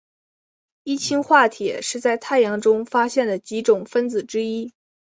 一氢化铁是在太阳中发现的几种分子之一。